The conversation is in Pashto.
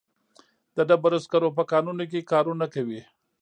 د ډبرو سکرو په کانونو کې کارونه کوي.